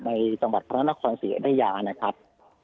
ในจังหวัดพระราชนาควันศิริยายานะครับ